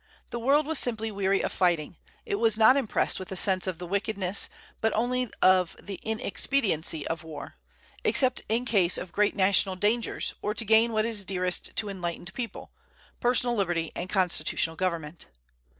The world was simply weary of fighting; it was not impressed with a sense of the wickedness, but only of the inexpediency of war, except in case of great national dangers, or to gain what is dearest to enlightened people, personal liberty and constitutional government.